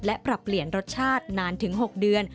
และปรับเปลี่ยนรสชาตินานถึง๖เดือน